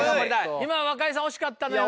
今若井さん惜しかったのよね。